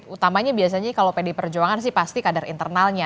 utamanya biasanya kalau pd perjuangan sih pasti kader internalnya